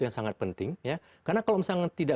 yang sangat penting karena kalau misalnya